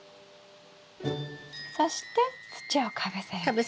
そして土をかぶせるんですか？